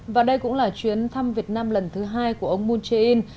và đây cũng là chuyến thăm việt nam lần thứ hai của ông moon jae in